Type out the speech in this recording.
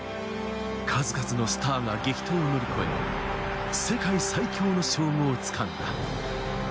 数々のスターが激闘を乗り越え、世界最強の称号をつかんだ。